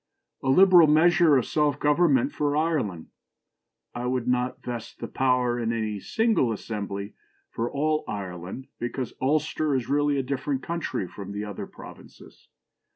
A liberal measure of local self government for Ireland. I would not vest the power in any single assembly for all Ireland, because Ulster is really a different country from the other provinces.